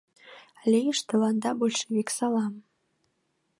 Лийышт тыланда Большевик салам!